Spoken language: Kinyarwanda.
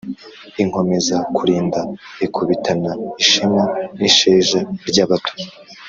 Inkomeza kulinda ikubitana ishema n'isheja ry'abato,